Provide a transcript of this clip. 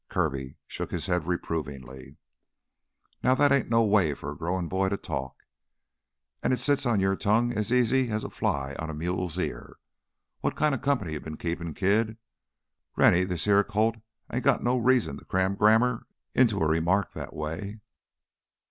Kirby shook his head reprovingly. "Now that ain't no way for a growin' boy to talk. An' it sits on your tongue as easy as a fly on a mule's ear, too. What kinda company you bin keepin', kid? Rennie, this heah colt ain't got no reason to cram grammar into a remark that way."